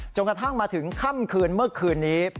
กระทั่งมาถึงค่ำคืนเมื่อคืนนี้